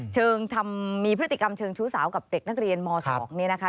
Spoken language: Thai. ทำมีพฤติกรรมเชิงชู้สาวกับเด็กนักเรียนม๒นี่นะคะ